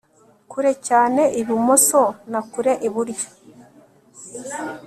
Kure cyane ibumoso na kure iburyo